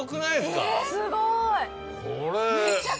すごい！これ。